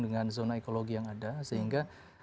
dengan zona ekologi yang ada sehingga